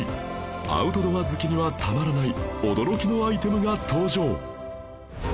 アウトドア好きにはたまらない驚きのアイテムが登場